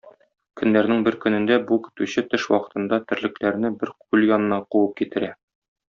Көннәрнең бер көнендә бу көтүче төш вакытында терлекләрне бер күл янына куып китерә.